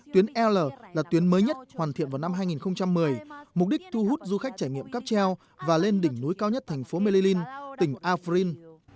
tuyến l là tuyến mới nhất hoàn thiện vào năm hai nghìn một mươi mục đích thu hút du khách trải nghiệm cắp treo và lên đỉnh núi cao nhất thành phố medellín tỉnh afrin